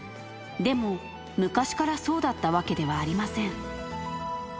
でも昔からそうだったわけではありません。